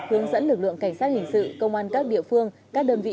hướng dẫn lực lượng cảnh sát hình sự công an các địa phương các đơn vị